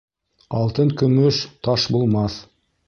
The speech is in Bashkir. Алтын-көмөш таш булмаҫ.